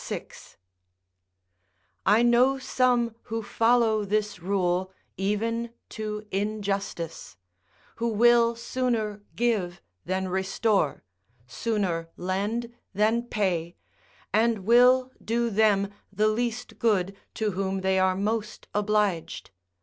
2, 6.] I know some who follow this rule, even to injustice; who will sooner give than restore, sooner lend than pay, and will do them the least good to whom they are most obliged.